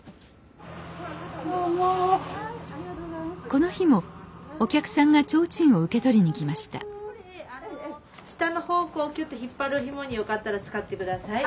この日もお客さんが提灯を受け取りに来ました下の方こうきゅっと引っ張るひもによかったら使って下さい。